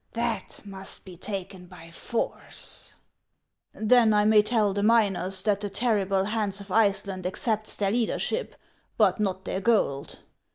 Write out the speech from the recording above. That must be taken by force." "Then I may tell the miners that the terrible Hans of Iceland accepts their leadership, but not their gold